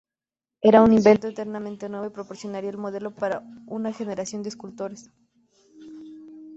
Era un invento enteramente nuevo y proporcionaría el modelo para una generación de escultores.